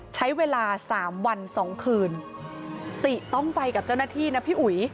ใช้เวลาสามวันสองคืนติต้องไปกับเจ้าหน้าที่นะพี่อุ๋ย